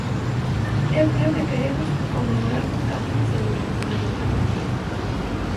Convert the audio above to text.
Eu creo que quereremos conmemorar un camiño seguro, fundamentalmente.